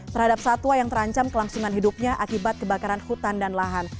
terhadap satwa yang terancam kelangsungan hidupnya akibat kebakaran hutan dan lahan